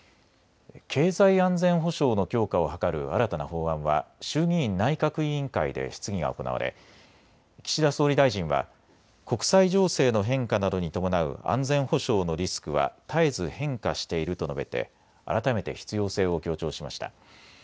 経済安全保障の強化を図る新たな法案は衆議院内閣委員会で質疑が行われ岸田総理大臣は、国際情勢の変化などに伴う安全保障のリスクは絶えず変化していると述べて改めて必要性を強調しました。